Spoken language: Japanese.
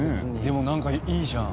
でもなんかいいじゃん。